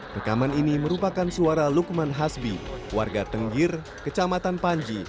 rekaman ini merupakan suara lukman hasbi warga tenggir kecamatan panji